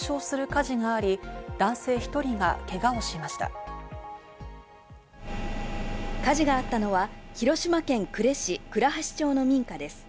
火事があったのは広島県呉市倉橋町の民家です。